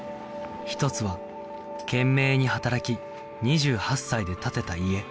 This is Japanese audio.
一つは懸命に働き２８歳で建てた家